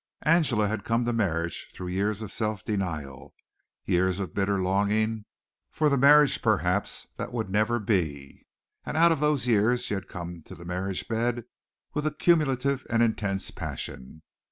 Angela had come to marriage through years of self denial, years of bitter longing for the marriage that perhaps would never be, and out of those years she had come to the marriage bed with a cumulative and intense passion.